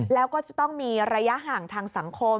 แล้วก็จะต้องมีระยะห่างทางสังคม